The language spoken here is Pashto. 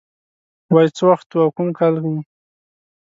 وای څه وخت و او کوم کوم کال و